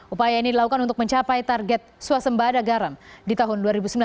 upaya ini dilakukan untuk mencapai target swasembada garam di tahun dua ribu sembilan belas